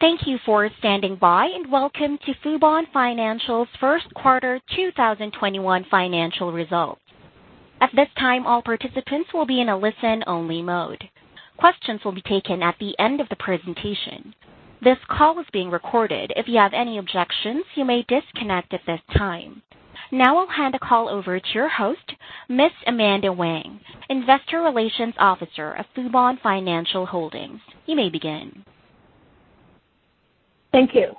Thank you for standing by, welcome to Fubon Financial's first quarter 2021 financial results. At this time, all participants will be in a listen-only mode. Questions will be taken at the end of the presentation. This call is being recorded. If you have any objections, you may disconnect at this time. Now I'll hand the call over to your host, Ms. Amanda Wang, Investor Relations officer of Fubon Financial Holdings. You may begin. Thank you.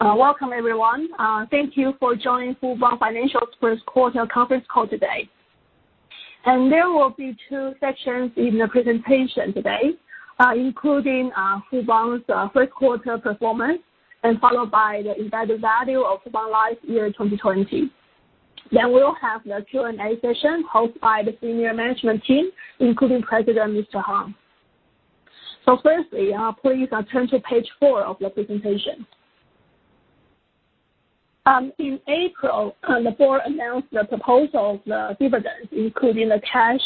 Welcome, everyone. Thank you for joining Fubon Financial's first quarter conference call today. There will be two sections in the presentation today, including Fubon's first quarter performance followed by the embedded value of Fubon Life year 2020. We'll have the Q&A session hosted by the senior management team, including President Mr. Hong. Firstly, please turn to page four of the presentation. In April, the board announced the proposal of the dividends, including the cash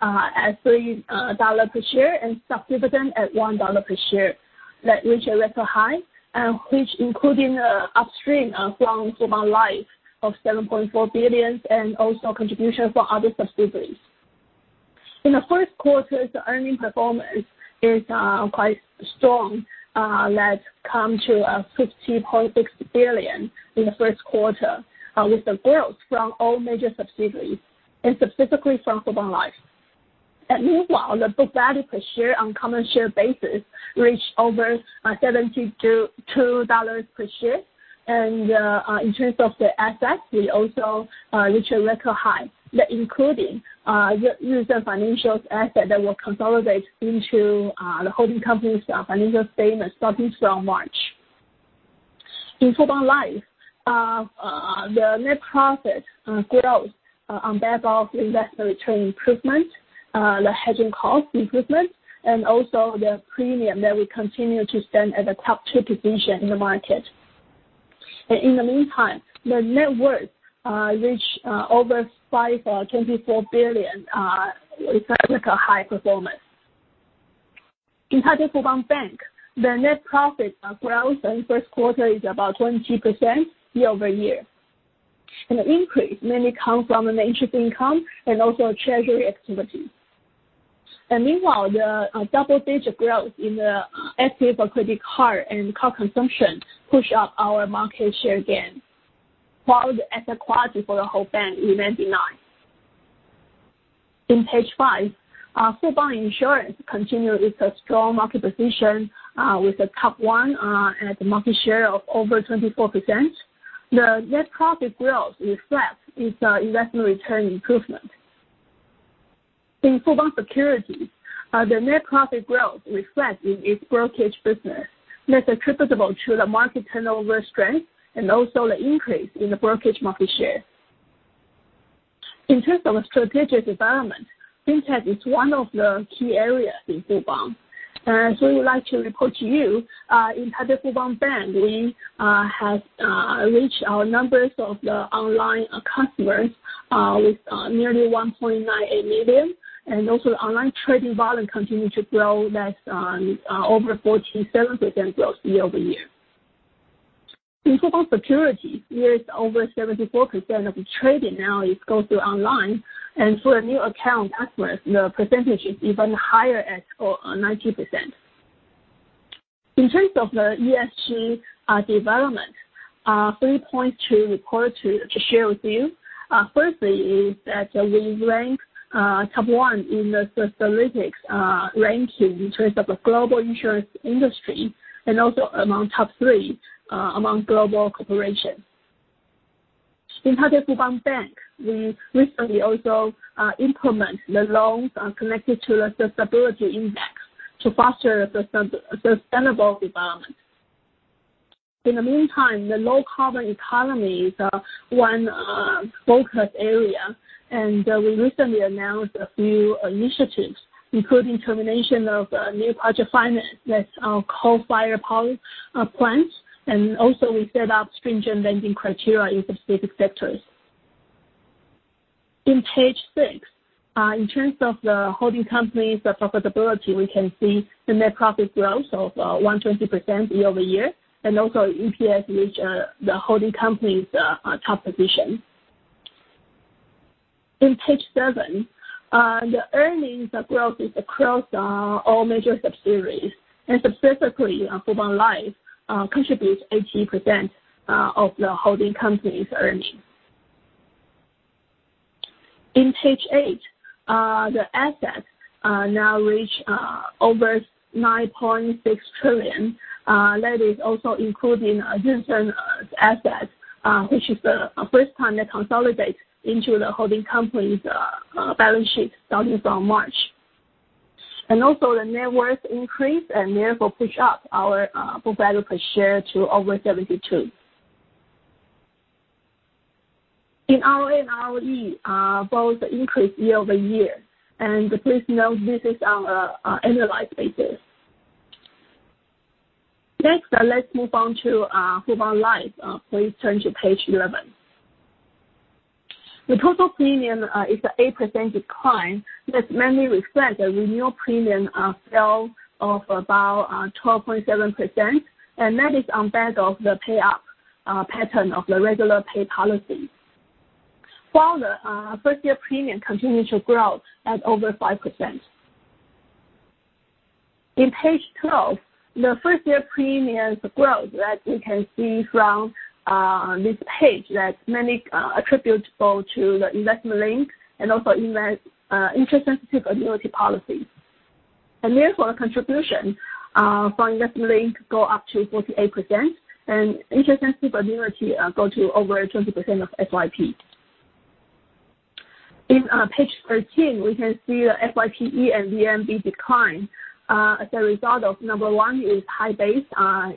at NTD 3 per share and stock dividend at NTD 1 per share, that reached a record high, which including upstream from Fubon Life of NTD 7.4 billion and also contribution from other subsidiaries. In the first quarter, the earning performance is quite strong. That's come to NTD 15.6 billion in the first quarter, with the growth from all major subsidiaries and specifically from Fubon Life. Meanwhile, the book value per share on common share basis reached over NTD 72 per share. In terms of the assets, we also reached a record high, that including the Jih Sun Financial's asset that will consolidate into the holding company's financial statement starting from March. In Fubon Life, the net profit growth on the back of investment return improvement, the hedging cost improvement, and also the premium that we continue to stand at a top two position in the market. In the meantime, the net worth reached over NTD 524 billion with a high performance. In Fubon Bank, the net profit growth in first quarter is about 20% year-over-year. The increase mainly come from an interest income and also treasury activities. Meanwhile, the double-digit growth in the FPA for credit card and card consumption pushed up our market share again, while the asset quality for the whole bank remained benign. In page five, Fubon Insurance continues its strong market position with a top one at the market share of over 24%. The net profit growth reflects its investment return improvement. In Fubon Securities, the net profit growth reflects in its brokerage business, that's attributable to the market turnover strength and also the increase in the brokerage market share. In terms of the strategic environment, fintech is one of the key areas in Fubon. We would like to report to you, in Fubon Bank, we have reached our numbers of the online customers with nearly 1.98 million, and also the online trading volume continued to grow at over 47% growth year-over-year. In Fubon Securities, there is over 74% of the trading now is go through online. For new account customers, the percentage is even higher at 90%. In terms of the ESG development, three points to report to share with you. Firstly is that we rank top one in the Sustainalytics ranking in terms of the global insurance industry and also among top three among global corporations. In Fubon Bank, we recently also implement the loans connected to the sustainability index to foster sustainable development. In the meantime, the low-carbon economy is one focus area, we recently announced a few initiatives, including termination of new project finance with coal-fired power plants, and also we set up stringent lending criteria in specific sectors. In page six, in terms of the holding company's profitability, we can see the net profit growth of 120% year-over-year. EPS reach the holding company's top position. In page seven, the earnings growth is across all major subsidiaries. Specifically, Fubon Life contributes 80% of the holding company's earnings. In page eight, the assets now reach over 9.6 trillion. That is also including Jih Sun's asset, which is the first time they consolidate into the holding company's balance sheet starting from March. Also, the net worth increased and therefore pushed up our book value per share to over 72. In ROE and ROA, both increased year-over-year. Please note, this is our annualized basis. Next, let's move on to Fubon Life. Please turn to page 11. The total premium is an 8% decline that mainly reflects the renewal premium sale of about 12.7%. That is on back of the pay-up pattern of the regular pay policy, while the first-year premium continues to grow at over 5%. In page 12, the first-year premiums growth that we can see from this page that mainly attributable to the investment link and also interest-sensitive annuity policies. Therefore, contribution from investment link go up to 48%, and interest-sensitive annuity go to over 20% of FYP. In page 13, we can see the FYPE and VNB decline as a result of, number one is high base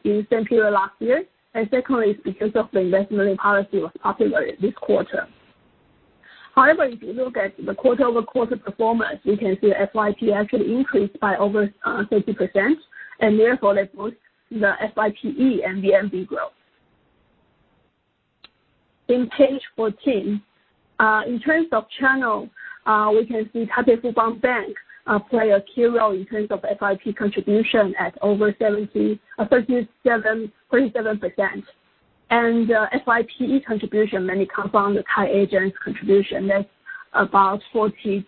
in the same period last year, and secondly, it's because of the investment policy was popular this quarter. However, if you look at the quarter-over-quarter performance, you can see FYP actually increased by over 30%. Therefore, that boosts the FYPE and VNB growth. In page 14, in terms of channel, we can see Taipei Fubon Bank play a key role in terms of FYP contribution at over 37%. FYPE contribution mainly comes from the high agents contribution, that's about 47%.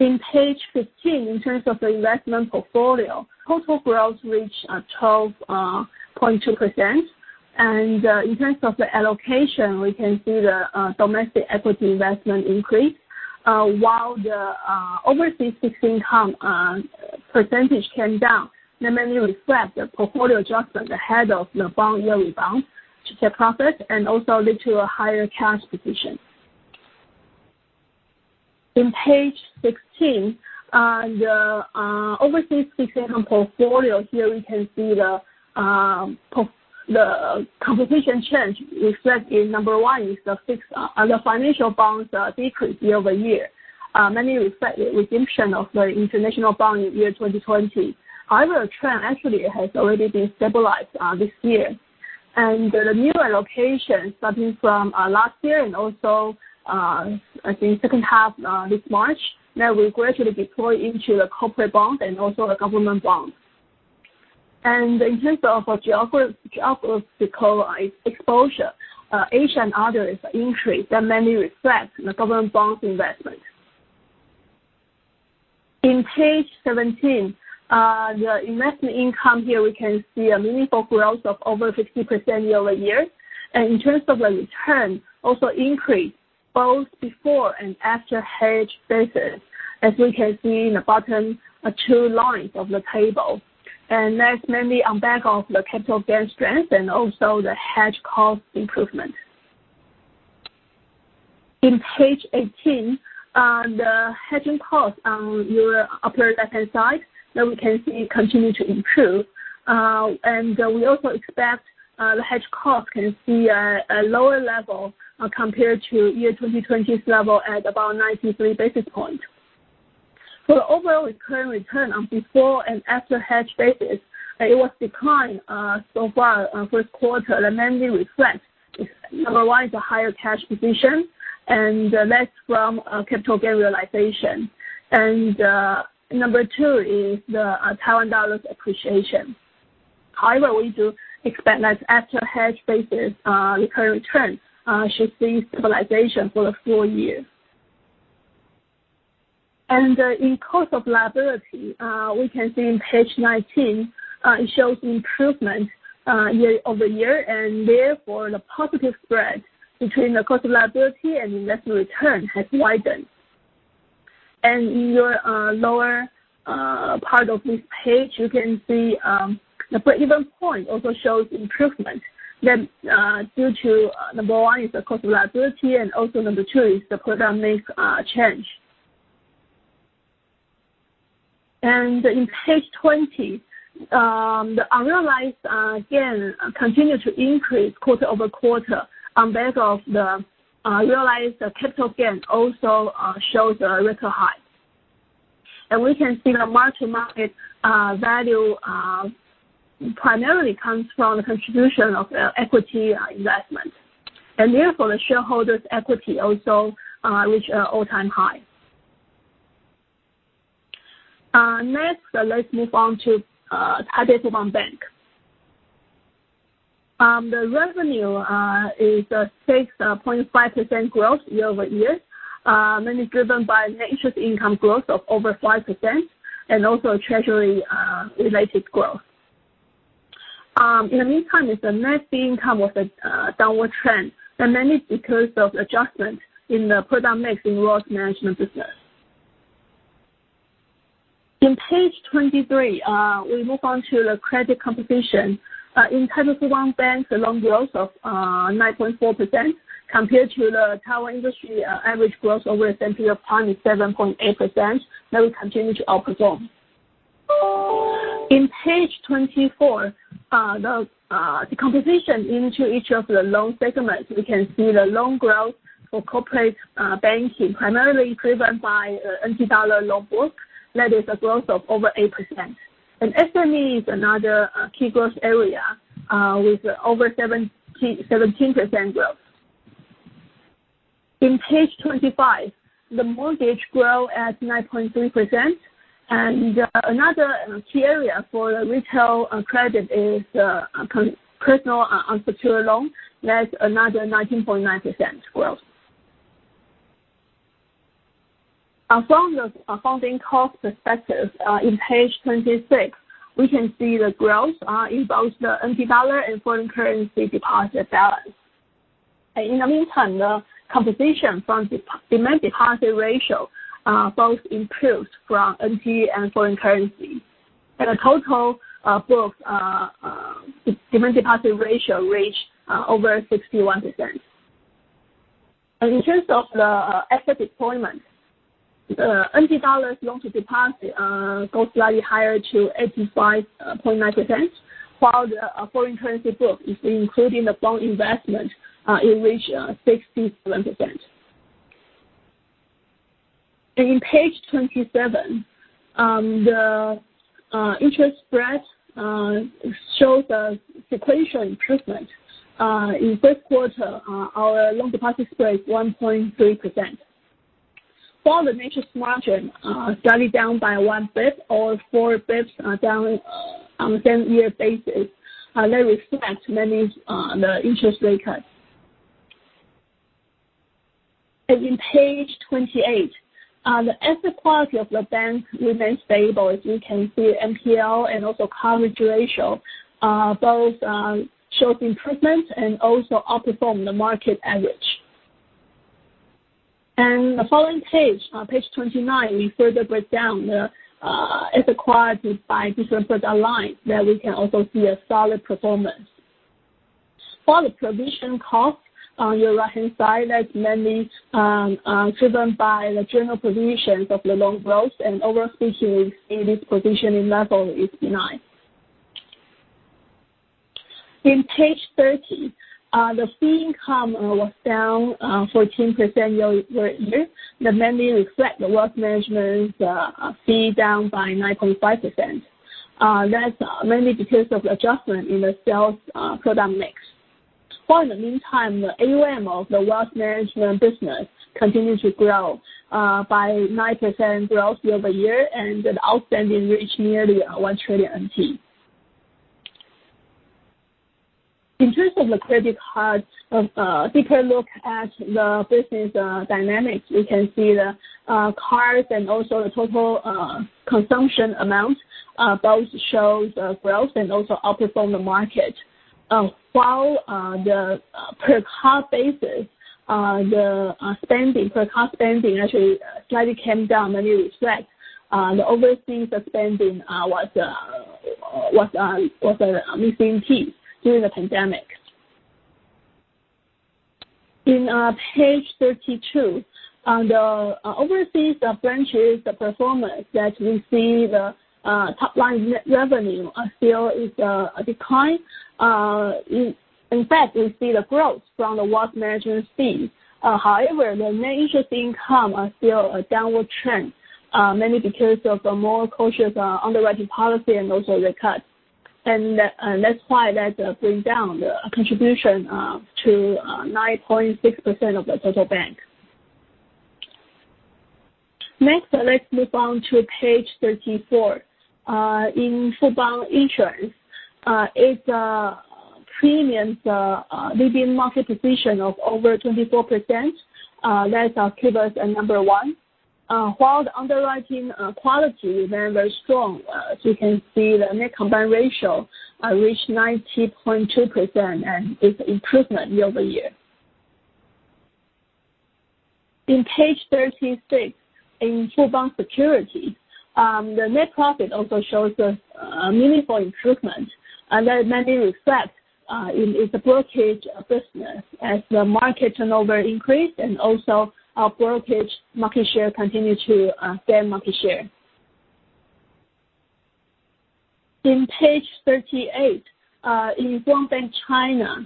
In page 15, in terms of the investment portfolio, total growth reached 12.2%. In terms of the allocation, we can see the domestic equity investment increase while the overseas fixed income percentage came down. That mainly reflects the portfolio adjustment ahead of the bond yield rebound to take profit and also lead to a higher cash position. Page 16, the overseas fixed income portfolio, here we can see the composition change reflect in number one is the financial bonds decrease year-over-year, mainly reflect the redemption of the international bond in year 2020. However, trend actually has already been stabilized this year. The new allocation starting from last year and also, I think second half this March, now we gradually deploy into the corporate bond and also the government bond. In terms of geographical exposure, Asia and others increased. That mainly reflects the government bond investment. In page 17, the investment income, here we can see a meaningful growth of over 60% year-over-year. In terms of the return, also increased both before and after hedge basis, as we can see in the bottom two lines of the table. That's mainly on back of the capital gain strength and also the hedge cost improvement. In page 18, the hedging cost on your upper left-hand side, now we can see it continue to improve. We also expect the hedge cost can see a lower level compared to year 2020's level at about 93 basis points. For the overall recurring return on before and after hedge basis, it was decline so far on first quarter, that mainly reflects, number 1, the higher cash position, and that's from capital gain realization. Number 2 is the NT dollar's appreciation. However, we do expect that after hedge basis, recurring return should see stabilization for the full year. In cost of liability, we can see in page 19, it shows improvement year-over-year, therefore, the positive spread between the cost of liability and investment return has widened. In your lower part of this page, you can see the break-even point also shows improvement. That's due to number 1 is the cost of liability, and also number 2 is the product mix change. In page 20, the unrealized gain continue to increase quarter-over-quarter on back of the realized capital gain also shows a record high. We can see the mark-to-market value primarily comes from the contribution of equity investment. Therefore, the shareholders equity also reach all-time high. Next, let's move on to Taipei Fubon Bank. The revenue is a 6.5% growth year-over-year, mainly driven by net interest income growth of over 5%, and also treasury-related growth. In the meantime, it's a net fee income with a downward trend, that mainly because of adjustment in the product mix in wealth management business. In page 23, we move on to the credit composition. In Taipei Fubon Bank, the loan growth of 9.4% compared to the Taiwan industry average growth over the same period of 7.8%, that we continue to outperform. In page 24, the composition into each of the loan segments, we can see the loan growth for corporate banking primarily driven by NT dollar loan book. That is a growth of over 8%. SME is another key growth area with over 17% growth. In page 25, the mortgage grow at 9.3%, and another key area for retail credit is personal unsecured loan. That's another 19.9% growth. From the funding cost perspective, in page 26, we can see the growth in both the NT dollar and foreign currency deposit balance. In the meantime, the composition from demand deposit ratio both improved from NT and foreign currency. The total books, demand deposit ratio reached over 61%. In terms of the asset deployment, NT dollars loan-to-deposit goes slightly higher to 85.9%, while the foreign currency book, if we include the bond investment, it reach 67%. In page 27, the interest spread shows a sequential improvement. In this quarter, our loan-deposit spread is 1.3%. For the net interest margin, slightly down by 1 bit or 4 bits down on same-year basis. They reflect mainly the interest rate cuts. In page 28, the asset quality of the bank remains stable. As you can see, NPL and also coverage ratio both shows improvement and also outperform the market average. The following page 29, we further break down the asset quality by different product line that we can also see a solid performance. For the provision cost, on your right-hand side, that is mainly driven by the general provisions of the loan growth and over-securing in this provisioning level is denied. In page 30, the fee income was down 14% year-over-year. That mainly reflects the wealth management fee down by 9.5%. That's mainly because of adjustment in the sales product mix. While in the meantime, the AUM of the wealth management business continued to grow by 9% growth year-over-year, and the outstanding reached nearly 1 trillion NTD. In terms of the credit cards, if we can look at the business dynamics, we can see the cards and also the total consumption amount both shows growth and also outperform the market. While the per card basis, the spending per card spending actually slightly came down, mainly reflects the overseas spending was missing piece during the pandemic. In page 32, the overseas branches, the performance that we see the top line net revenue still is a decline. In fact, we see the growth from the wealth management fees. The net interest income is still a downward trend, mainly because of the more cautious underwriting policy and also the cuts. That's why that brings down the contribution to 9.6% of the total bank. Let's move on to page 34. In Fubon Insurance, its premiums leading market position of over 24%. That keeps us at number one, while the underwriting quality remains very strong. As you can see, the net combined ratio reached 90.2% and is improvement year-over-year. In page 36, in Fubon Securities, the net profit also shows a meaningful improvement, and that mainly reflects in its brokerage business as the market turnover increased and also our brokerage market share continue to gain market share. In page 38, in Fubon Bank China,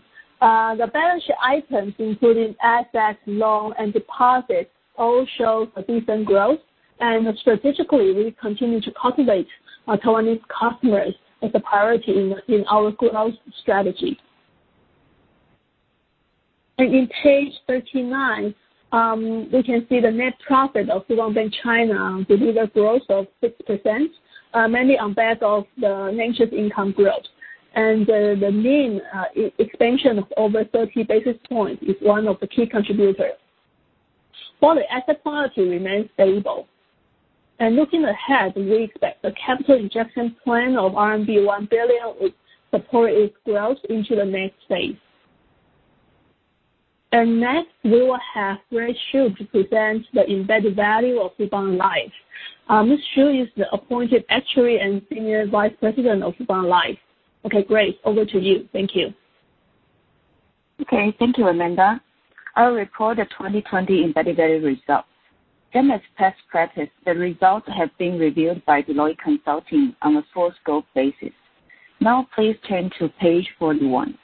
the balance sheet items, including assets, loans, and deposits, all show a decent growth. Strategically, we continue to cultivate Taiwanese customers as a priority in our growth strategy. In page 39, we can see the net profit of Fubon Bank China deliver growth of 6%, mainly on the back of the net interest income growth. The NIM expansion of over 30 basis points is one of the key contributors, while the asset quality remains stable. Looking ahead, we expect the capital injection plan of RMB 1 billion will support its growth into the next phase. Next, we will have Grace Hsu to present the embedded value of Fubon Life. Ms. Hsu is the Appointed Actuary and Senior Vice President of Fubon Life. Okay, Grace, over to you. Thank you. Thank you, Amanda. I'll report the 2020 embedded value results. Same as past practice, the results have been reviewed by Deloitte Consulting on a full-scope basis. Now please turn to page 41.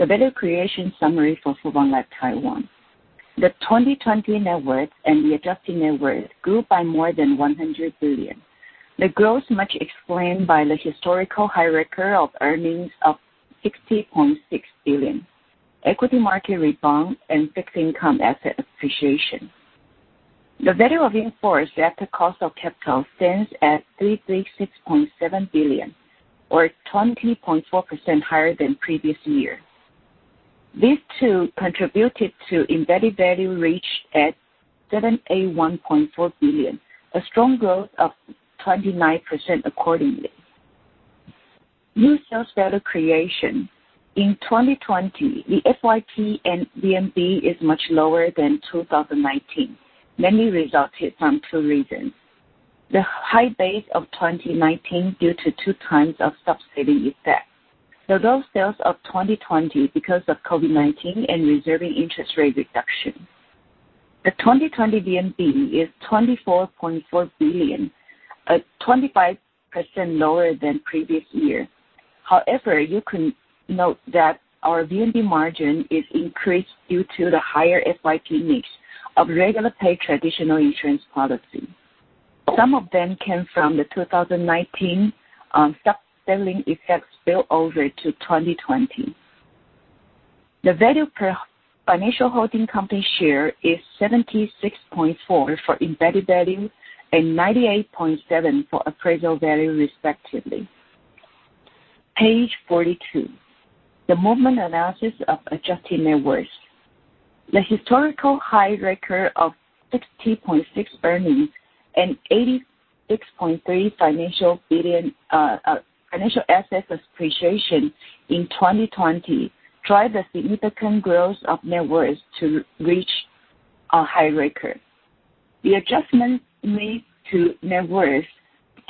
The value creation summary for Fubon Life Taiwan. The 2020 net worth and the adjusted net worth grew by more than 100 billion. The growth much explained by the historical high record of earnings of 60.6 billion, equity market rebound, and fixed income asset appreciation. The value of in-force at the COC stands at 336.7 billion, or 20.4% higher than previous year. These two contributed to embedded value reached at 781.4 billion, a strong growth of 29% accordingly. New sales value creation. In 2020, the FYP and VNB is much lower than 2019, mainly resulted from two reasons. The high base of 2019 due to two times of subsidy effect. The low sales of 2020 because of COVID-19 and reserving interest rate reduction. The 2020 VNB is 24.4 billion, 25% lower than previous year. You can note that our VNB margin is increased due to the higher FYP mix of regular paid traditional insurance policy. Some of them came from the 2019 stop selling effects spill over to 2020. The value per financial holding company share is 76.4 for embedded value and 98.7 for appraisal value, respectively. Page 42. The movement analysis of adjusted net worth. The historical high record of 60.6 earnings and 86.3 financial assets appreciation in 2020 drive the significant growth of net worth to reach a high record. The adjustments made to net worth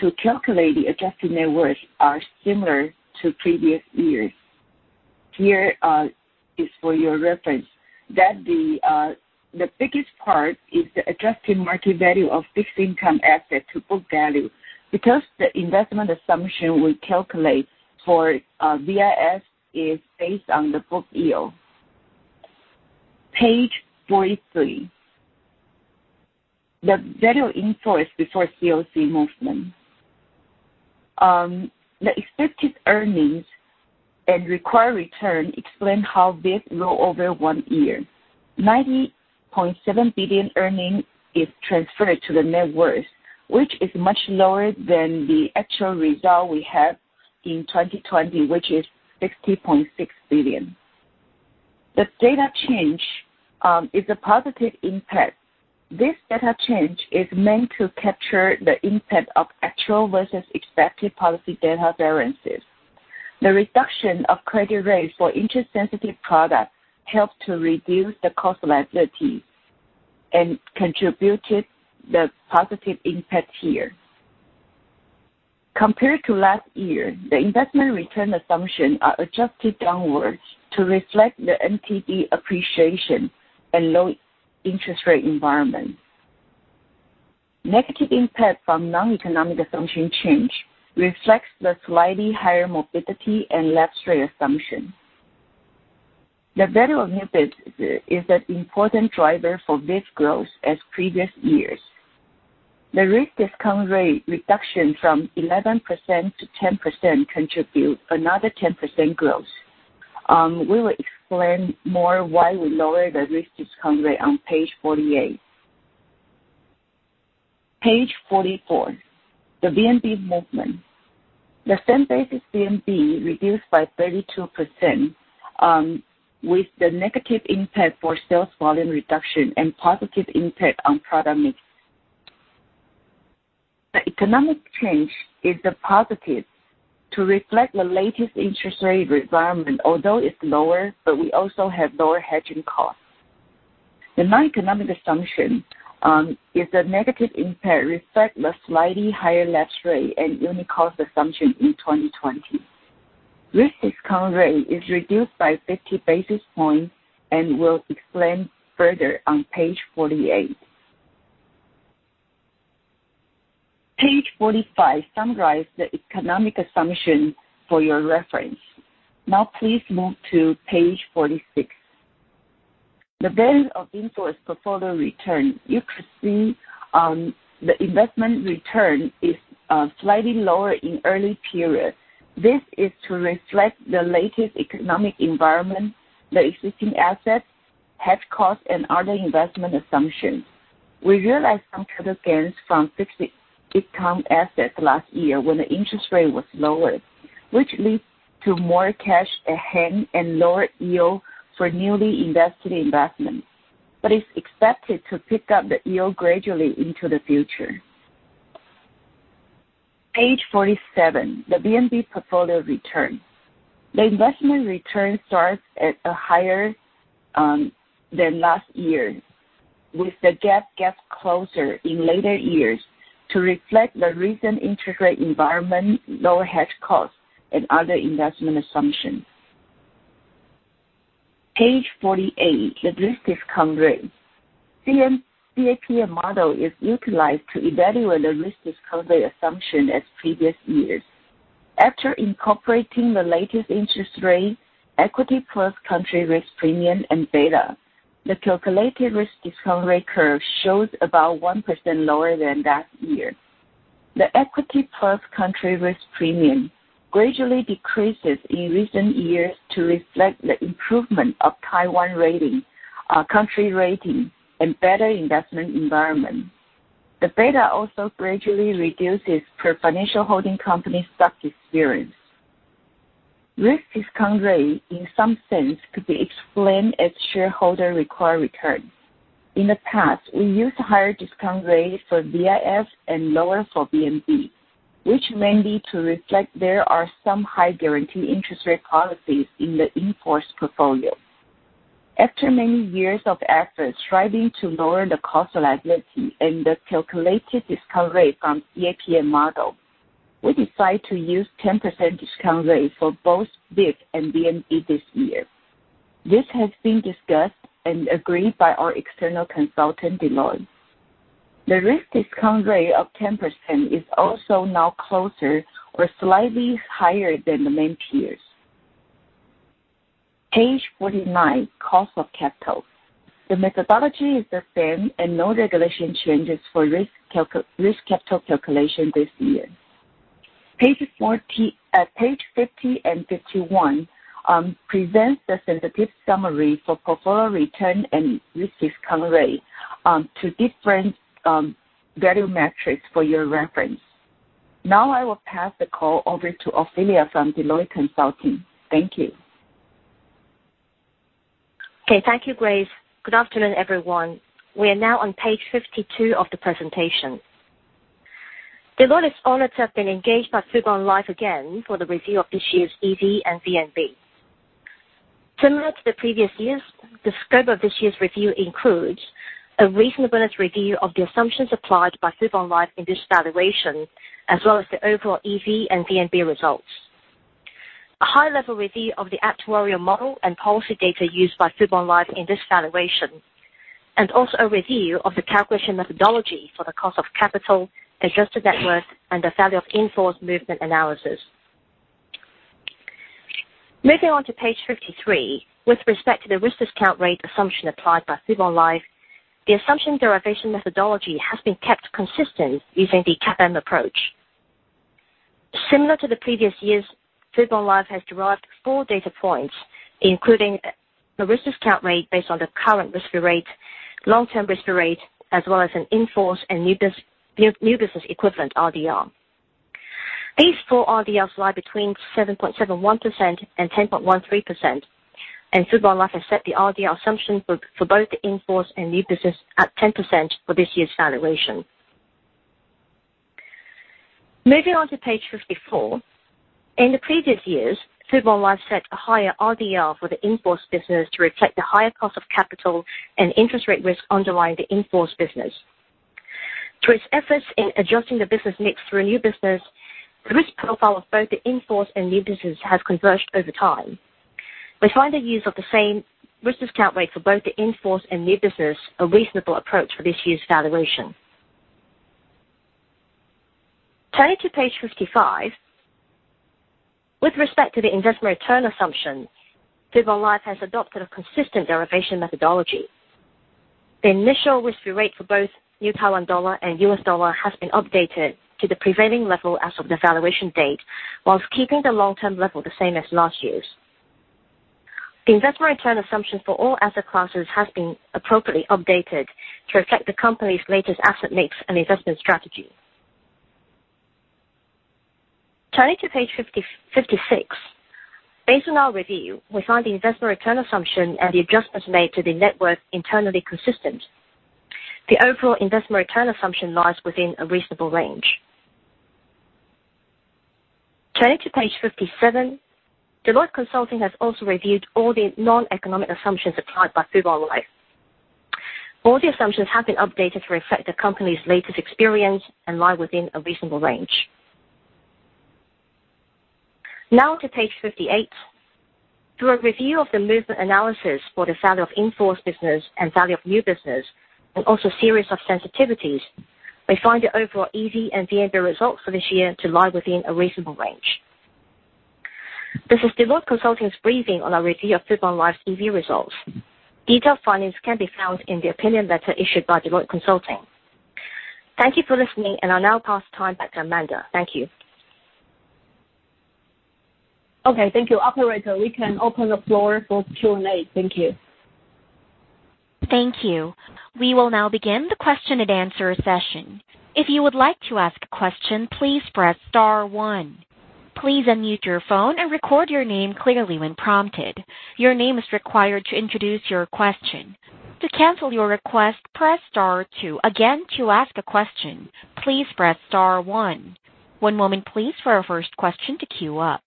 to calculate the adjusted net worth are similar to previous years. Here is for your reference that the biggest part is the adjusted market value of fixed income asset to book value. The investment assumption we calculate for VIF is based on the book yield. Page 43. The value in force before COC movement. The expected earnings and required return explain how this grow over one year. 90.7 billion earning is transferred to the net worth, which is much lower than the actual result we have in 2020, which is 60.6 billion. The data change is a positive impact. This data change is meant to capture the impact of actual versus expected policy data variances. The reduction of credit rates for interest-sensitive products helped to reduce the cost of liability and contributed the positive impact here. Compared to last year, the investment return assumption are adjusted downwards to reflect the NTD appreciation and low interest rate environment. Negative impact from non-economic assumption change reflects the slightly higher morbidity and lapse rate assumption. The value of new business is an important driver for this growth as previous years. The risk discount rate reduction from 11% to 10% contribute another 10% growth. We will explain more why we lower the risk discount rate on page 48. Page 44, the VNB movement. The same basis VNB reduced by 32% with the negative impact for sales volume reduction and positive impact on product mix. The economic change is a positive to reflect the latest interest rate environment, although it's lower, but we also have lower hedging costs. The non-economic assumption is a negative impact reflect the slightly higher lapse rate and unit cost assumption in 2020. Risk discount rate is reduced by 50 basis points and we'll explain further on page 48. Page 45 summarize the economic assumption for your reference. Now please move to page 46. The value of in-force portfolio return. You could see the investment return is slightly lower in early period. This is to reflect the latest economic environment, the existing assets, hedge cost, and other investment assumptions. We realized some credit gains from fixed income assets last year when the interest rate was lower, which leads to more cash at hand and lower yield for newly invested investments, but it is expected to pick up the yield gradually into the future. Page 47, the VNB portfolio return. The investment return starts at higher than last year, with the gap get closer in later years to reflect the recent interest rate environment, lower hedge costs, and other investment assumptions. Page 48, the risk discount rate. CAPM model is utilized to evaluate the risk discount rate assumption as previous years. After incorporating the latest interest rate, equity plus country risk premium and beta, the calculated risk discount rate curve shows about 1% lower than last year. The equity plus country risk premium gradually decreases in recent years to reflect the improvement of Taiwan country rating and better investment environment. The beta also gradually reduces per financial holding company stock experience. Risk discount rate, in some sense, could be explained as shareholder required return. In the past, we used higher discount rate for VIF and lower for VNB. Which mainly to reflect there are some high guarantee interest rate policies in the in-force portfolio. After many years of efforts striving to lower the cost of liability and the calculated discount rate from CAPM model, we decide to use 10% discount rate for both VIF and VNB this year. This has been discussed and agreed by our external consultant, Deloitte. The risk discount rate of 10% is also now closer or slightly higher than the main peers. Page 49, cost of capital. The methodology is the same and no regulation changes for risk capital calculation this year. Page 50 and 51 presents the sensitive summary for portfolio return and risk discount rate, to different value metrics for your reference. Now I will pass the call over to Ophelia from Deloitte Consulting. Thank you. Okay. Thank you, Grace. Good afternoon, everyone. We are now on page 52 of the presentation. Deloitte's audits have been engaged by Fubon Life again for the review of this year's EV and VNB. Similar to the previous years, the scope of this year's review includes a reasonableness review of the assumptions applied by Fubon Life in this valuation, as well as the overall EV and VNB results. A high-level review of the actuarial model and policy data used by Fubon Life in this valuation, and also a review of the calculation methodology for the cost of capital, adjusted net worth, and the value of in-force movement analysis. Moving on to page 53. With respect to the risk discount rate assumption applied by Fubon Life, the assumption derivation methodology has been kept consistent using the CAPM approach. Similar to the previous years, Fubon Life has derived four data points, including the risk discount rate based on the current risk-free rate, long-term risk-free rate, as well as an in-force and new business equivalent RDR. These four RDRs lie between 7.71% and 10.13%, and Fubon Life has set the RDR assumption for both the in-force and new business at 10% for this year's valuation. Moving on to page 54. In the previous years, Fubon Life set a higher RDR for the in-force business to reflect the higher cost of capital and interest rate risk underlying the in-force business. Through its efforts in adjusting the business mix through new business, the risk profile of both the in-force and new business has converged over time. We find the use of the same risk discount rate for both the in-force and new business a reasonable approach for this year's valuation. Turning to page 55. With respect to the investment return assumption, Fubon Life has adopted a consistent derivation methodology. The initial risk-free rate for both New Taiwan dollar and US dollar has been updated to the prevailing level as of the valuation date, whilst keeping the long-term level the same as last year's. The investment return assumption for all asset classes has been appropriately updated to reflect the company's latest asset mix and investment strategy. Turning to page 56. Based on our review, we find the investment return assumption and the adjustments made to the net worth internally consistent. The overall investment return assumption lies within a reasonable range. Turning to page 57. Deloitte Consulting has also reviewed all the non-economic assumptions applied by Fubon Life. All the assumptions have been updated to reflect the company's latest experience and lie within a reasonable range. Now to page 58. Through a review of the movement analysis for the Value of In-force business and Value of New Business, and also series of sensitivities, we find the overall EV and VNB results for this year to lie within a reasonable range. This is Deloitte Consulting's briefing on our review of Fubon Life's EV results. Detailed findings can be found in the opinion letter issued by Deloitte Consulting. Thank you for listening, and I'll now pass time back to Amanda. Thank you. Okay, thank you. Operator, we can open the floor for Q&A. Thank you. Thank you. We will now begin the question and answer session. If you would like to ask a question, please press star one. Please unmute your phone and record your name clearly when prompted. Your name is required to introduce your question. To cancel your request, press star two. Again, to ask a question, please press star one. One moment please for our first question to queue up.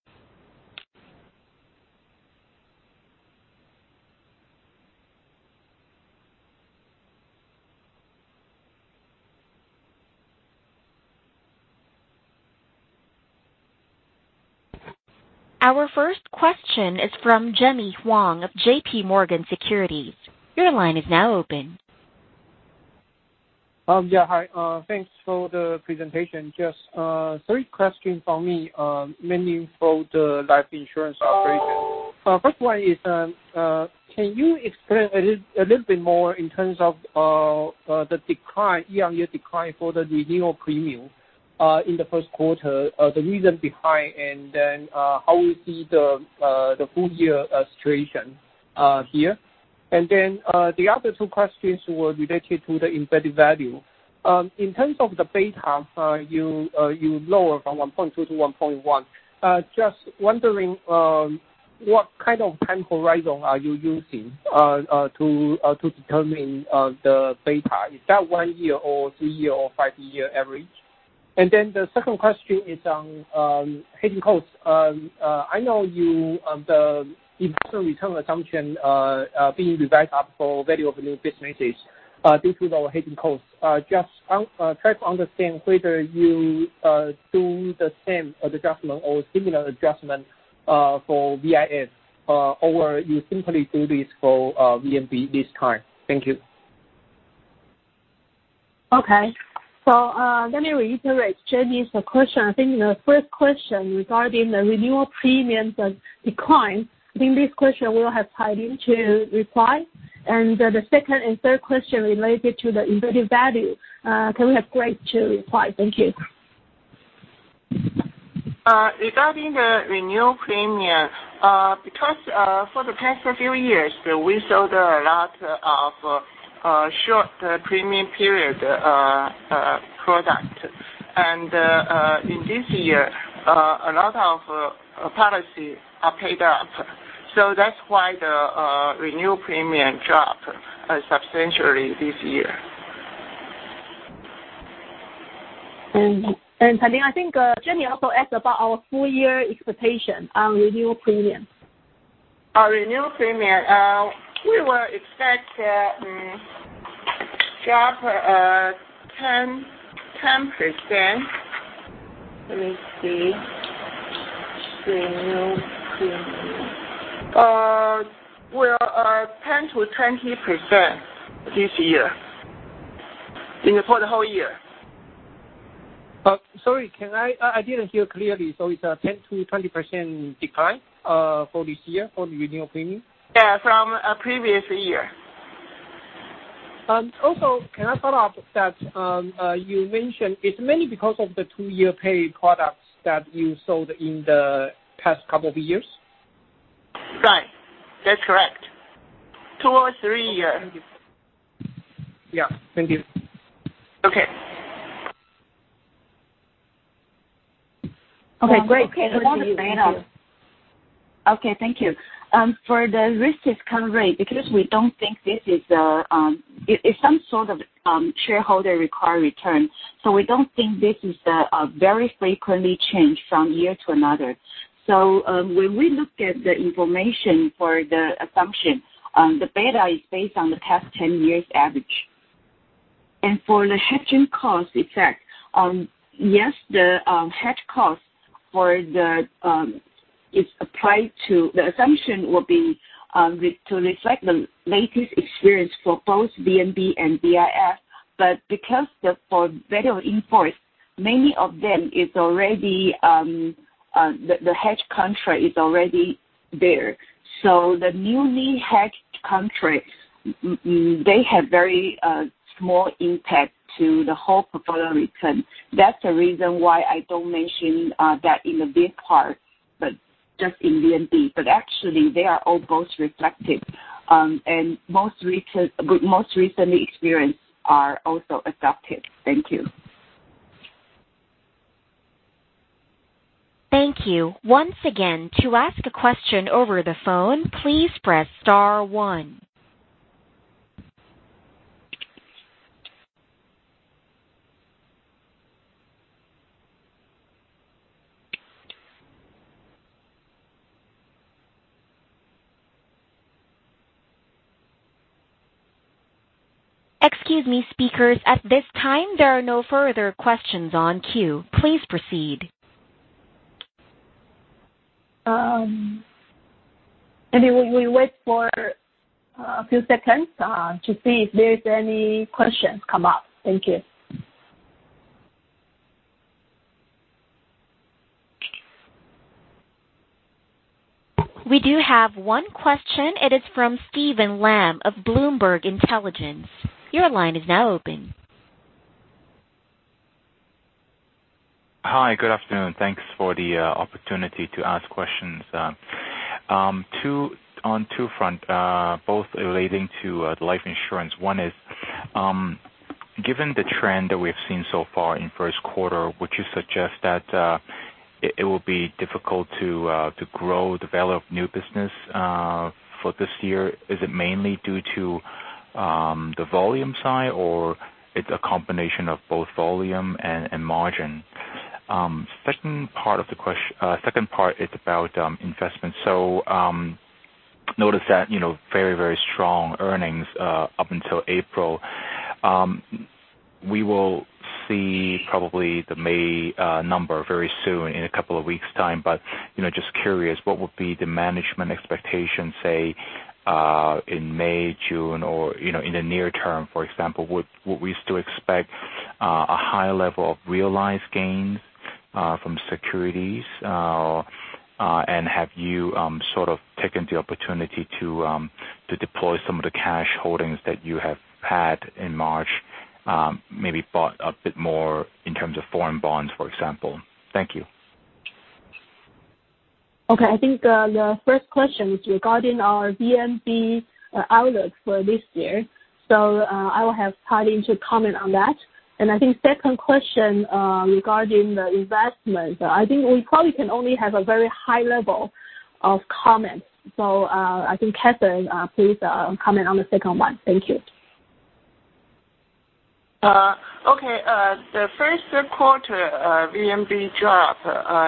Our first question is from Jimmy Huang of J.P. Morgan Securities. Your line is now open. Hi. Thanks for the presentation. Just three questions from me, mainly for the life insurance operation. First one is, can you explain a little bit more in terms of the year-on-year decline for the renewal premium in the first quarter, the reason behind, and then how we see the full year situation here? The other two questions were related to the embedded value. In terms of the beta, you lower from 1.2 to 1.1. Just wondering what kind of time horizon are you using to determine the beta? Is that one year or three year or five-year average? The second question is on hidden costs. I know the investment return assumption being revised up for value of new businesses. This is our hidden cost. Just try to understand whether you do the same adjustment or similar adjustment for VIF, or you simply do this for VNB this time. Thank you. Okay. Let me reiterate Jimmy's question. I think the first question regarding the renewal premiums decline. I think this question will have Tyding to reply. The second and third question related to the embedded value. Can we have Grace to reply? Thank you. Regarding the renewal premium, because for the past few years, we sold a lot of short premium period product. In this year, a lot of policy are paid up. That's why the renewal premium dropped substantially this year. Tyding, I think Jimmy also asked about our full year expectation on renewal premium. Our renewal premium, we will expect drop 10%. Let me see. Well, 10%-20% this year. For the whole year. Sorry, I didn't hear clearly. It's a 10%-20% decline for this year, for the renewal premium? Yeah, from previous year. Can I follow up that you mentioned it's mainly because of the two-year paid products that you sold in the past couple of years? Right. That's correct. Two or three years. Yeah. Thank you. Okay. Okay, great. Okay. Over to you, Rina. Thank you. For the risk discount rate, because we don't think this is some sort of shareholder required return, we don't think this is a very frequently change from year to another. When we look at the information for the assumption, the beta is based on the past 10 years average. For the hedging cost effect, yes, the hedge cost is applied to the assumption will be to reflect the latest experience for both VNB and VIF. Because for in-force, many of them, the hedge contract is already there. The newly hedged contracts, they have very small impact to the whole portfolio return. That's the reason why I don't mention that in the VIF part, but just in VNB. Actually, they are all both reflected, and most recent experience are also adopted. Thank you. Thank you. Once again, to ask a question over the phone, please press star one. Excuse me, speakers. At this time, there are no further questions on queue. Please proceed. Maybe we wait for a few seconds to see if there's any questions come up. Thank you. We do have one question. It is from Steven Lam of Bloomberg Intelligence. Your line is now open. Hi. Good afternoon. Thanks for the opportunity to ask questions. On two front, both relating to life insurance. One is, given the trend that we have seen so far in first quarter, would you suggest that it will be difficult to grow, develop new business for this year? Is it mainly due to the volume side or it's a combination of both volume and margin? Second part is about investment. Notice that very, very strong earnings up until April. We will see probably the May number very soon, in a couple of weeks time. Just curious, what would be the management expectation, say, in May, June, or in the near term, for example? Would we still expect a high level of realized gains from securities? Have you sort of taken the opportunity to deploy some of the cash holdings that you have had in March, maybe bought a bit more in terms of foreign bonds, for example? Thank you. Okay. I think the first question is regarding our VNB outlook for this year, so I will have Tying to comment on that. I think the second question regarding the investment. I think we probably can only have a very high level of comment. I think Catherine, please comment on the second one. Thank you. Okay. The first quarter VNB drop,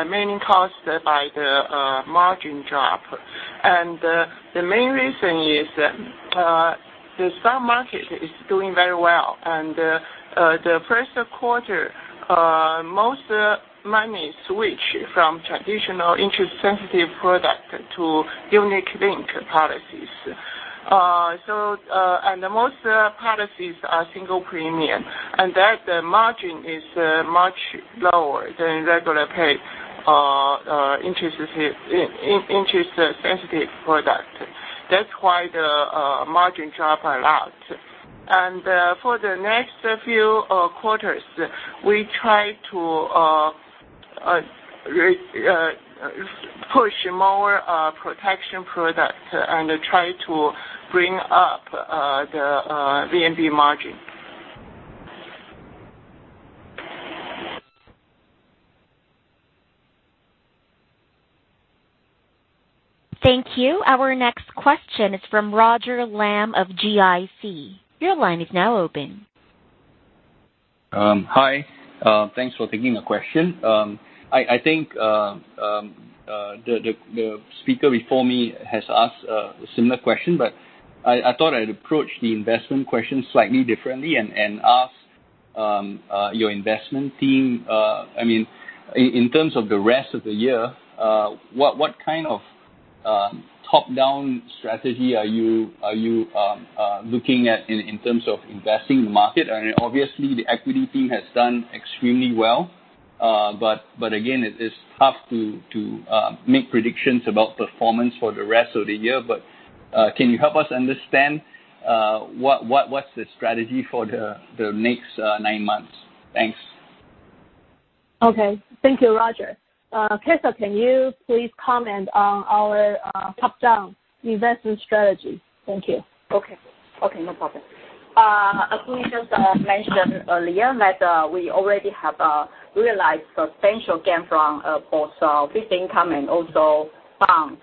mainly caused by the margin drop. The main reason is that the stock market is doing very well. The first quarter, most money switched from traditional interest-sensitive products to unique link policies. Most policies are single premium, and that margin is much lower than regular paid interest-sensitive product. That's why the margin dropped a lot. For the next few quarters, we try to push more protection product and try to bring up the VNB margin. Thank you. Our next question is from Roger Lam of GIC. Your line is now open. Hi. Thanks for taking the question. I think the speaker before me has asked a similar question, but I thought I'd approach the investment question slightly differently and ask your investment team. In terms of the rest of the year, what kind of top-down strategy are you looking at in terms of investing in the market? Obviously, the equity team has done extremely well. Again, it is tough to make predictions about performance for the rest of the year. Can you help us understand what's the strategy for the next nine months? Thanks. Okay. Thank you, Roger. Catherine, can you please comment on our top-down investment strategy? Thank you. Okay. No problem. As we just mentioned earlier that we already have realized substantial gain from both our fixed income and also bond.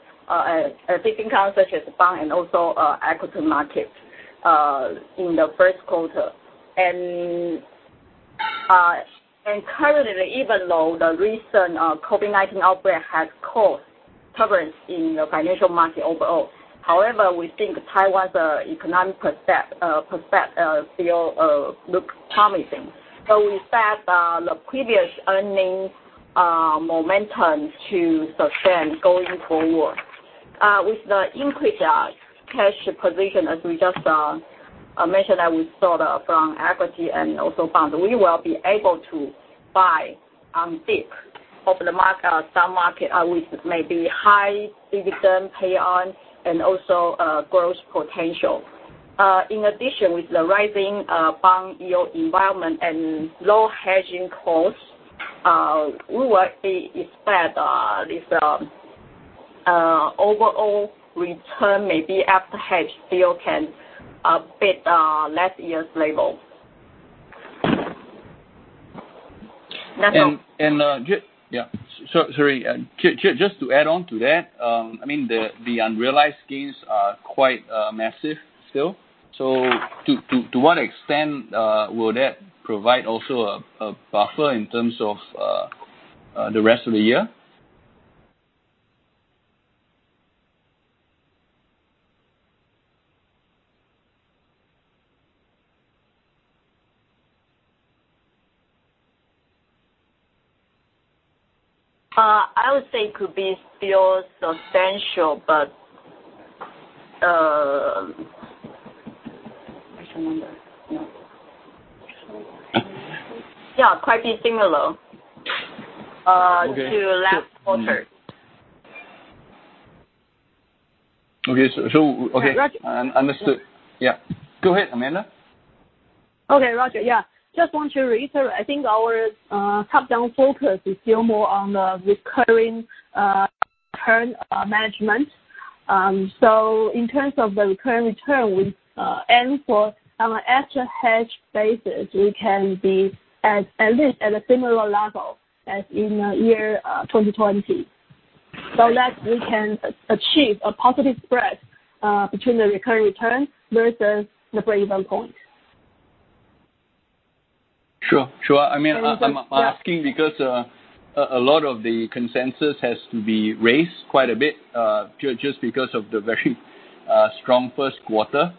Fixed income such as bond and also equity market in the first quarter. Currently, even though the recent COVID-19 outbreak has caused turbulence in the financial market overall, however, we think Taiwan's economic prospect still looks promising. We expect the previous earnings momentum to sustain going forward. With the increased cash position, as we just mentioned, that we saw from equity and also bonds, we will be able to buy on dip of the stock market with maybe high dividend payout and also growth potential. In addition, with the rising bond yield environment and low hedging costs, we will expect this overall return may be after hedge still can beat last year's level. That's all. Sorry. Just to add on to that, the unrealized gains are quite massive still. To what extent will that provide also a buffer in terms of the rest of the year? I would say it could be still substantial, but. What's the number? No. Yeah, quite similar-. Okay to last quarter. Okay. Understood. Yeah. Go ahead, Amanda. Okay. Roger, yeah. Just want to reiterate, I think our top-down focus is still more on the recurring return management. In terms of the recurring return, we aim for, on an after-hedge basis, we can be at least at a similar level as in year 2020. That we can achieve a positive spread between the recurring returns versus the breakeven point. Sure. I'm asking because a lot of the consensus has to be raised quite a bit just because of the very strong first quarter.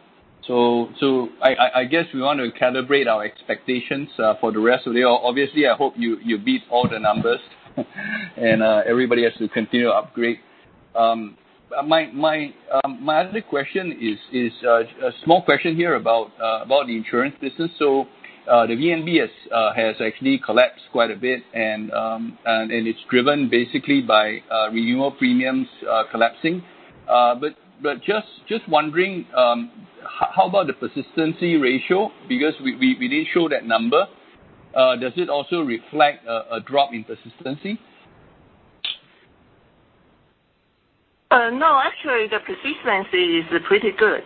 I guess we want to calibrate our expectations for the rest of the year. Obviously, I hope you beat all the numbers, and everybody has to continue to upgrade. My other question is a small question here about the insurance business. The VNB has actually collapsed quite a bit, and it's driven basically by renewal premiums collapsing. Just wondering, how about the persistency ratio? Because we didn't show that number. Does it also reflect a drop in persistency? No, actually, the persistency is pretty good.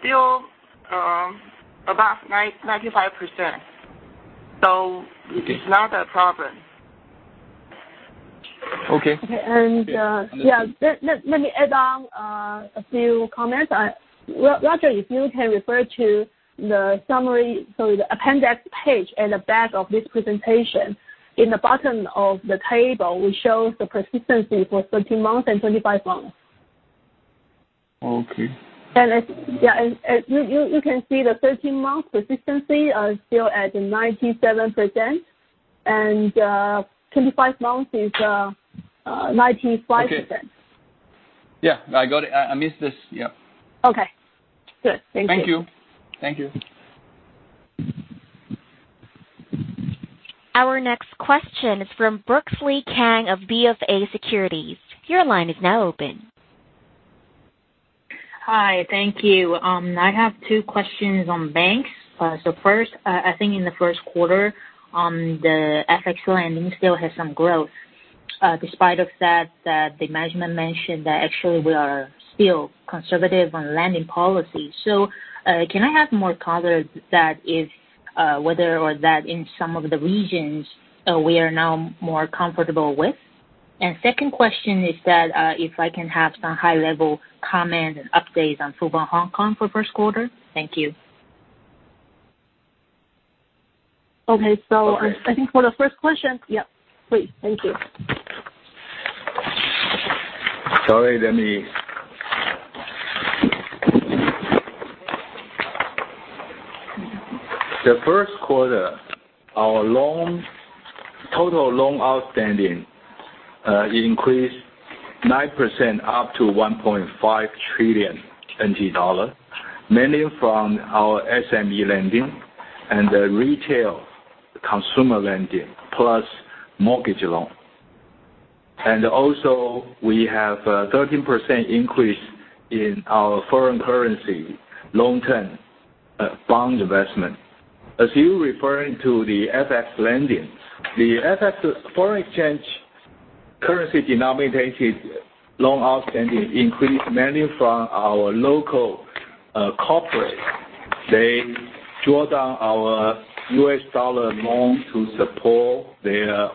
Still above 95%. It is not a problem. Okay. Okay. Yeah. Let me add on a few comments. Roger, if you can refer to the appendix page at the back of this presentation. In the bottom of the table, we show the persistency for 13 months and 25 months. Okay. You can see the 13 months persistency are still at 97%, and 25 months is 95%. Okay. Yeah. I got it. I missed this. Yep. Okay. Good. Thank you. Thank you. Our next question is from Brooks Lee Kang of BofA Securities. Your line is now open. Hi. Thank you. I have two questions on banks. First, I think in the first quarter, the FX lending still has some growth. Despite of that, the management mentioned that actually we are still conservative on lending policy. Can I have more color that is, whether or that in some of the regions we are now more comfortable with? Second question is that, if I can have some high-level comments and updates on Fubon Hong Kong for first quarter. Thank you. Okay. I think for the first question, yeah, please. Thank you. Sorry, let me. The first quarter, our total loans outstanding increased 9%, up to 1.5 trillion NT dollars, mainly from our SME lending and retail consumer lending, plus mortgage loans. Also, we have 13% increase in our foreign currency long-term bond investment. As you referring to the FX lending, the FX, foreign exchange currency denominated loan outstanding increased mainly from our local corporates. They draw down our US dollar loan to support their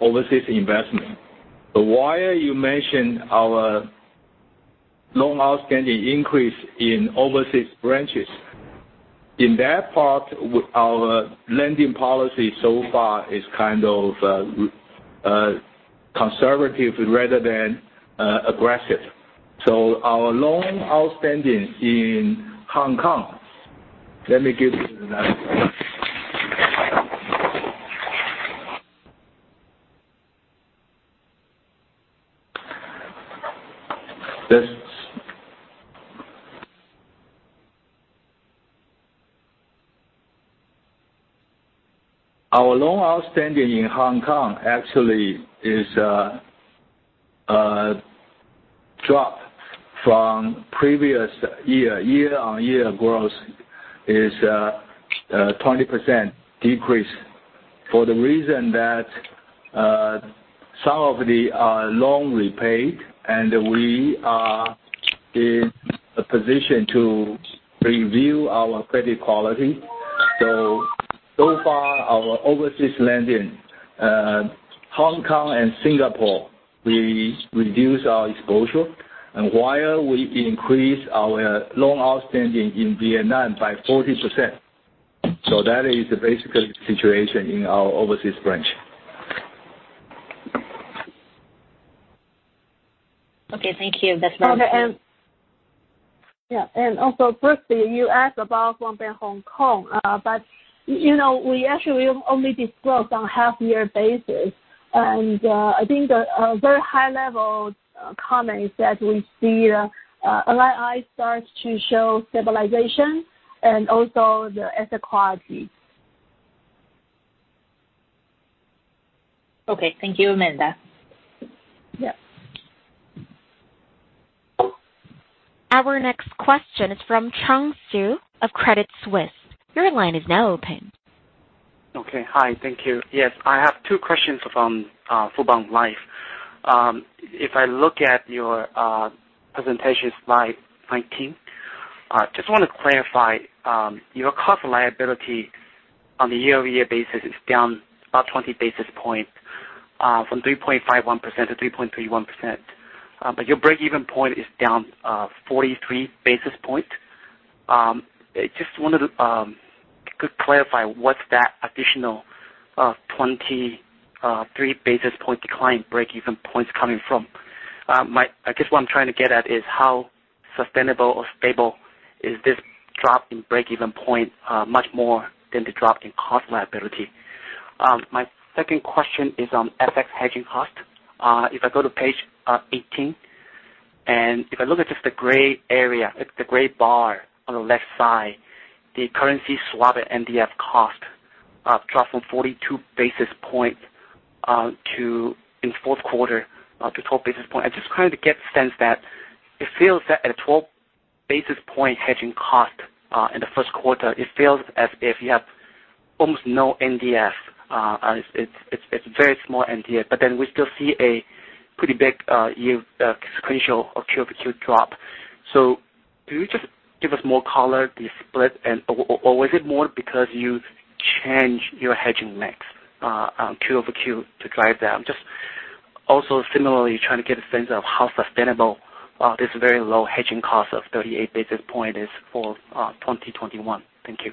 overseas investment. While you mentioned our loan outstanding increase in overseas branches. In that part, our lending policy so far is kind of conservative rather than aggressive. Our loans outstanding in Hong Kong, let me give you the number. This. Our loans outstanding in Hong Kong actually is a drop from previous year. Year-on-year growth is a 20% decrease for the reason that some of the loan repaid, and we are in a position to review our credit quality. Far our overseas lending, Hong Kong and Singapore, we reduce our exposure. While we increase our loans outstanding in Vietnam by 40%. That is basically the situation in our overseas branch. Okay. Thank you. That's very clear. Okay. Yeah. Also, Brooks Lee, you asked about Fubon Hong Kong, we actually only disclose on half-year basis. I think a very high-level comment is that we see LI starts to show stabilization and also the asset quality. Okay. Thank you, Amanda. Yeah. Our next question is from Chung Su of Credit Suisse. Your line is now open. Okay. Hi. Thank you. Yes, I have two questions from Fubon Life. If I look at your presentation, slide 19, just want to clarify, your cost of liability on the year-over-year basis is down about 20 basis points From 3.51% to 3.31%. Your breakeven point is down 43 basis points. I just wanted to clarify what is that additional 23 basis point decline breakeven points coming from. I guess what I am trying to get at is how sustainable or stable is this drop in breakeven point much more than the drop in cost liability? My second question is on FX hedging cost. If I go to page 18, and if I look at just the gray area, the gray bar on the left side, the currency swap and NDF cost dropped from 42 basis points in the fourth quarter to 12 basis points. I am just trying to get a sense that it feels that at a 12 basis point hedging cost in the first quarter, it feels as if you have almost no NDF. It's very small NDF, we still see a pretty big sequential or quarter-over-quarter drop. Can you just give us more color, the split, and or was it more because you changed your hedging mix quarter-over-quarter to drive that? I'm just also similarly trying to get a sense of how sustainable this very low hedging cost of 38 basis points is for 2021. Thank you.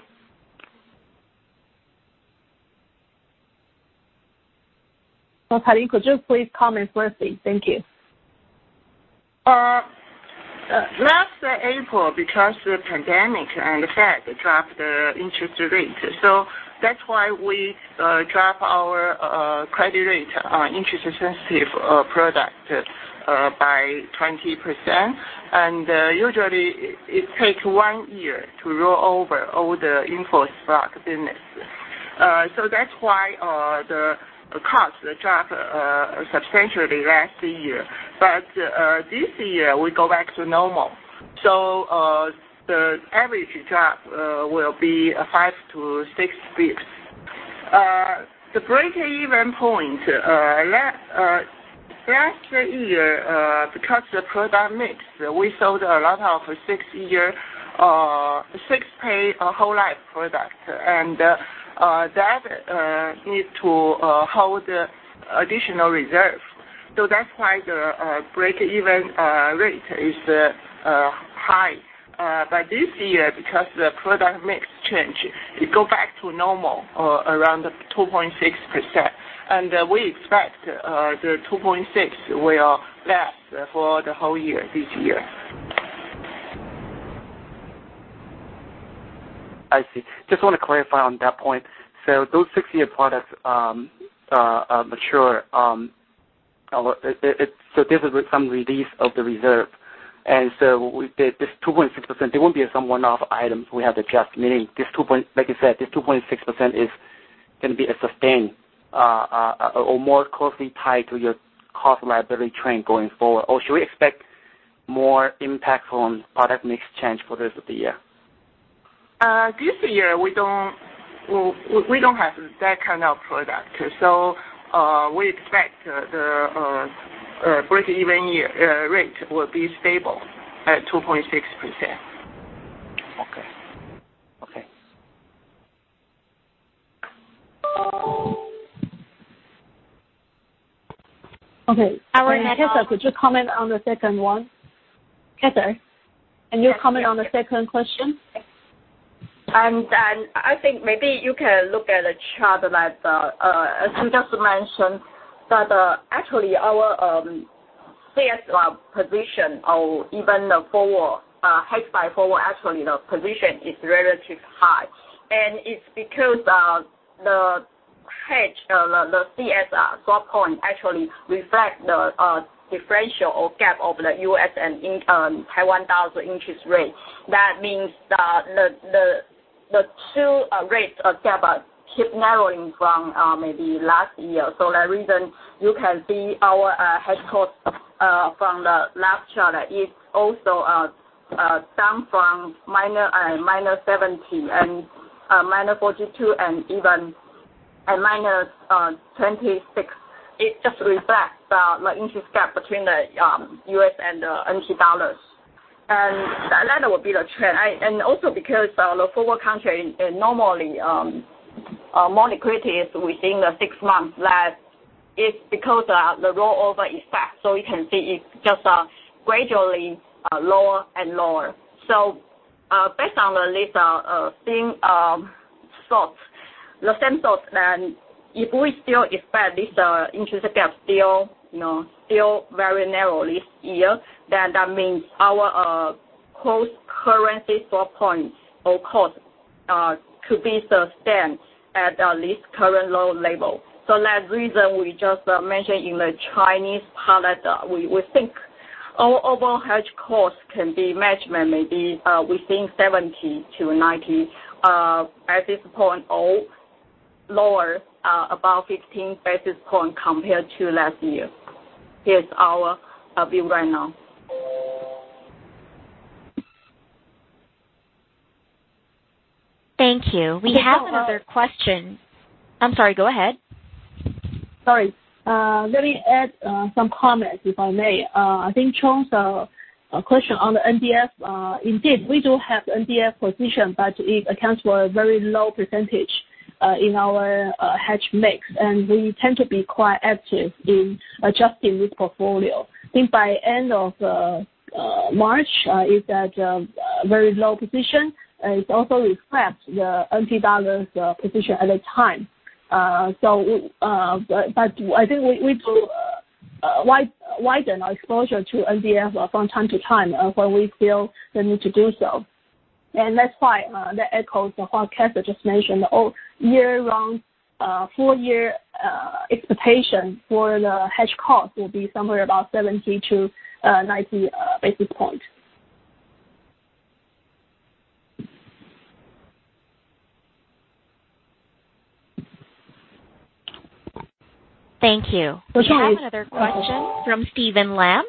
Patty, could you please comment firstly? Thank you. Last April, because the pandemic and the Fed dropped the interest rate. That's why we dropped our credit rate on interest-sensitive product by 20%. Usually, it takes one year to roll over all the in-force block business. That's why the cost dropped substantially last year. This year, we go back to normal. The average drop will be five to six basis points. The breakeven point. Last year, because the product mix, we sold a lot of six-pay whole life product, and that needs to hold additional reserve. That's why the breakeven rate is high. This year, because the product mix changed, it go back to normal, around the 2.6%. We expect the 2.6% will last for the whole year, this year. I see. Just want to clarify on that point. Those six-year products mature, so this is some release of the reserve. This 2.6%, there won't be some one-off items we have to adjust. Like you said, this 2.6% is going to be sustained or more closely tied to your cost liability trend going forward. Should we expect more impact on product mix change for the rest of the year? This year, we don't have that kind of product. We expect the breakeven rate will be stable at 2.6%. Okay. Okay. Heather, could you comment on the second one? Heather, can you comment on the second question? I think maybe you can look at the chart that as you just mentioned, that actually our cross-currency swap position or even the hedge by forward, actually the position is relatively high. It is because the hedge, the cross-currency swap point actually reflects the differential or gap of the U.S. and NT dollar interest rate. That means the two rates gap keep narrowing from maybe last year. The reason you can see our hedge cost from the last chart is also down from -17 and -42 and even a -26. It just reflects the interest gap between the U.S. and NT dollars. That will be the trend. Also because the forward contract normally monitors within the six months that it is because the rollover effect. You can see it is just gradually lower and lower. Based on these things, the same thought, if we still expect this interest gap still very narrow this year, that means our cross-currency swap points or cost could be sustained at this current low level. That reason we just mentioned in the Asian option, we think overall hedge cost can be management, maybe within 70 to 90 at this point, or lower about 15 basis points compared to last year. Here's our view right now. Thank you. We have another question. I'm sorry, go ahead. Sorry. Let me add some comments, if I may. I think a question on the NDF. Indeed, we do have NDF position, it accounts for a very low percentage in our hedge mix, and we tend to be quite active in adjusting this portfolio. I think by end of March, is at a very low position. It also reflects the NT dollar's position at that time. I think we do widen our exposure to NDF from time to time when we feel the need to do so. That's why that echoes what Cather just mentioned. Year-round, full year expectation for the hedge cost will be somewhere about 70 basis points to 90 basis points. Thank you. Okay. We have another question from Steven Lam.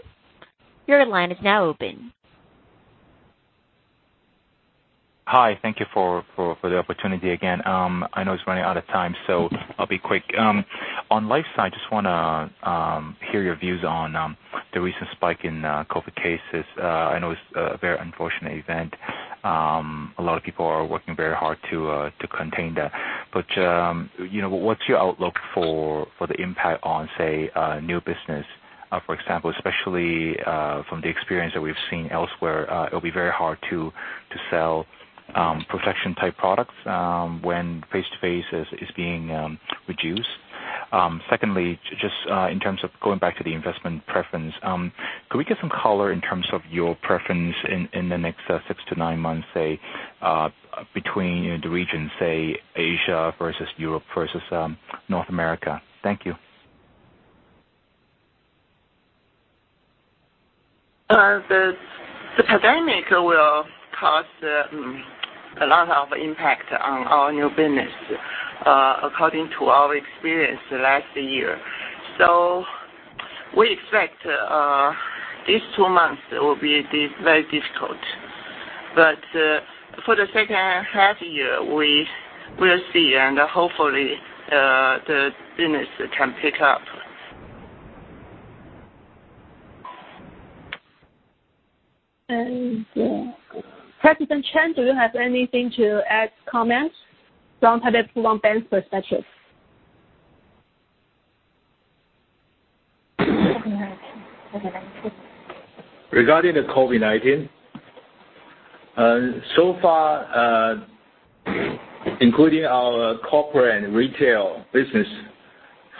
Your line is now open. Hi. Thank you for the opportunity again. I know it's running out of time, I'll be quick. On life side, just want to hear your views on the recent spike in COVID cases. I know it's a very unfortunate event. A lot of people are working very hard to contain that. What's your outlook for the impact on, say, new business, for example, especially from the experience that we've seen elsewhere, it'll be very hard to sell protection type products when face-to-face is being reduced. Secondly, just in terms of going back to the investment preference, could we get some color in terms of your preference in the next six to nine months, say, between the regions, say, Asia versus Europe versus North America? Thank you. The pandemic will cause a lot of impact on our new business, according to our experience last year. We expect these two months will be very difficult. For the second half year, we will see, and hopefully, the business can pick up. President Chen, do you have anything to add, comments from Taipei Bank's perspective? Regarding the COVID-19, so far, including our corporate and retail business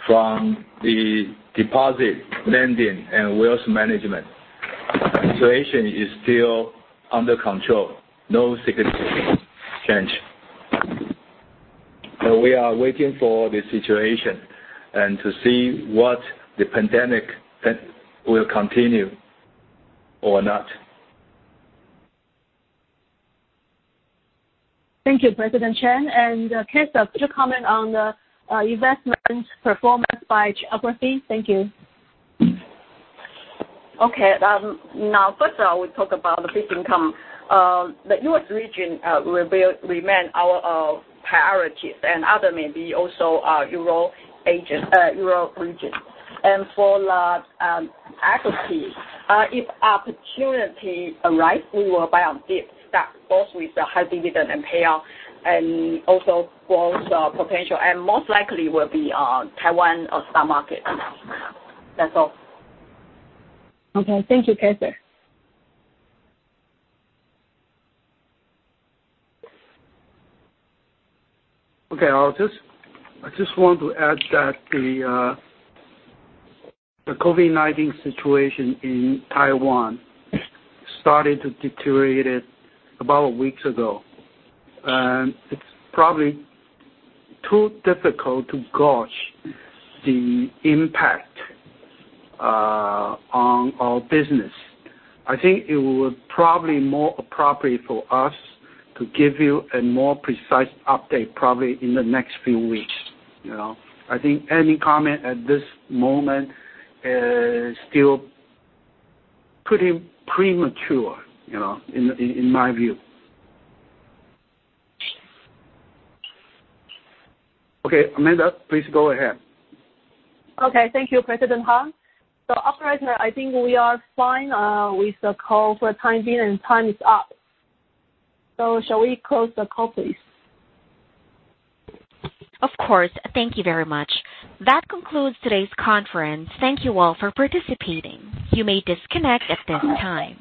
from the deposit lending and wealth management, situation is still under control. No significant change. We are waiting for the situation and to see what the pandemic will continue or not. Thank you, President Chen. Cather, could you comment on the investment performance by geography? Thank you. First of all, we talk about the fixed income. The U.S. region will remain our priority, other may be also Europe region. For the equity, if opportunity arise, we will buy on dip stock, both with the high dividend and payout, and also growth potential, and most likely will be on Taiwan stock market amount. That's all. Okay. Thank you, Cather. Okay. I just want to add that the COVID-19 situation in Taiwan started to deteriorate about weeks ago. It is probably too difficult to gauge the impact on our business. I think it would probably more appropriate for us to give you a more precise update, probably in the next few weeks. I think any comment at this moment is still pretty premature, in my view. Okay, Amanda, please go ahead. Thank you, President Han. Operator, I think we are fine with the call for time being, and time is up. Shall we close the call, please? Of course. Thank you very much. That concludes today's conference. Thank you all for participating. You may disconnect at this time.